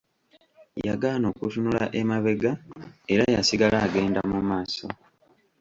Yagaana okutunula emabega era yasigala agenda mu maaso.